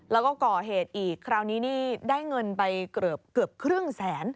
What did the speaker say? แล้วก็ก่อเหตุอีกคราวนี้นี่ได้เงินไปเกือบครึ่งแสน